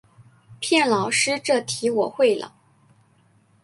骗老师这题我会了